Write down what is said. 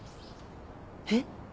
えっ？